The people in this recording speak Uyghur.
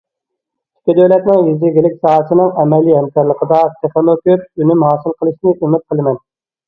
ئىككى دۆلەتنىڭ يېزا ئىگىلىك ساھەسىنىڭ ئەمەلىي ھەمكارلىقىدا تېخىمۇ كۆپ ئۈنۈم ھاسىل قىلىشنى ئۈمىد قىلىمەن.